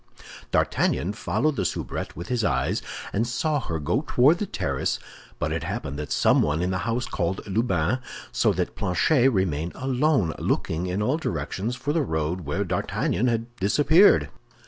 D'Artagnan followed the soubrette with his eyes, and saw her go toward the terrace; but it happened that someone in the house called Lubin, so that Planchet remained alone, looking in all directions for the road where D'Artagnan had disappeared.